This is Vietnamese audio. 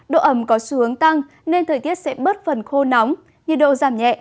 độ ẩm có xu hướng tăng nên thời tiết sẽ bớt phần khô nóng nhiệt độ giảm nhẹ